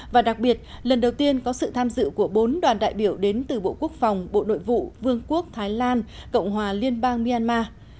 và đặc biệt lần đầu tiên có sự tham dự của bốn đoàn đại biểu đến từ bộ quốc phòng bộ nội vụ vương quốc thái lan cộng hòa liên bang myanmar